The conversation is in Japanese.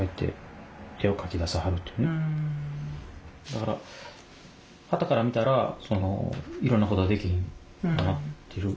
だからはたから見たらいろんなことができひんくなってる。